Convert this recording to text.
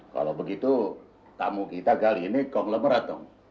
kalau begitu tamu kita kali ini kong lemerat dong